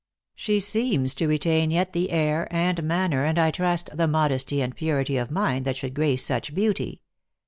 " She seems to retain yet the air and manner, and, I trust, the modesty and purity of mind that should grace such beauty.